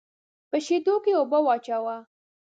په شېدو کې اوبه واچوه.